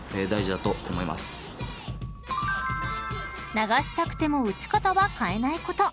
［流したくても打ち方は変えないこと］